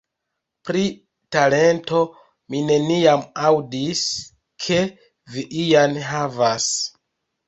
Pri talento mi neniam aŭdis, ke vi ian havas...